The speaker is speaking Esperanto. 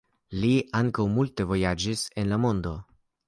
Li ankaŭ multe vojaĝis en la mondo.